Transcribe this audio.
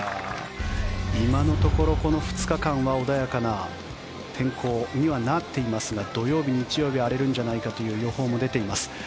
今のところ、この２日間は穏やかな天候にはなっていますが土曜日、日曜日荒れるんじゃないかという予報も出ています。